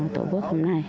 tổ quốc hôm nay